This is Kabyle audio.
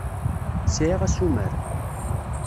Sεiɣ asumer.